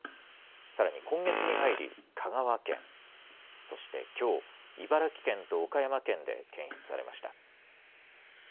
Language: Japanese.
さらに今月に入り、香川県、そしてきょう、茨城県と岡山県で検出されました。